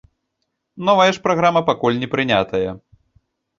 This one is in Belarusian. Новая ж праграма пакуль не прынятая.